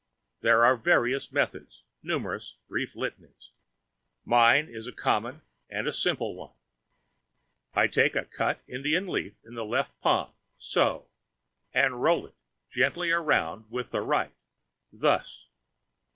There are various methods, numerous brief litanies. Mine is a common and simple one. I take the cut Indian leaf in the left palm, so, and roll it gently about with the right, thus.